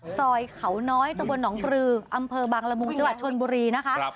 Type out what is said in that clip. ซอยเขาน้อยตะบนหนองปลืออำเภอบางละมุงจังหวัดชนบุรีนะคะ